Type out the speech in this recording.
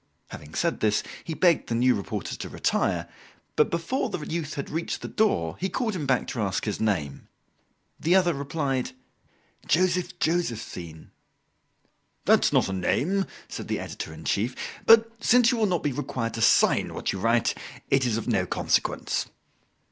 Having said this, he begged the new reporter to retire, but before the youth had reached the door he called him back to ask his name. The other replied: "Joseph Josephine." "That's not a name," said the editor in chief, "but since you will not be required to sign what you write it is of no consequence."